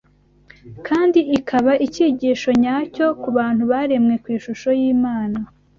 kandi ikaba icyigisho nyacyo ku bantu baremwe ku ishusho y’Imana